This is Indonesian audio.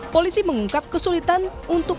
polisi mengungkap kesulitan untuk